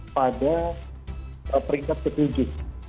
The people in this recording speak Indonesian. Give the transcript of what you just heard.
pada peringkat ke tujuh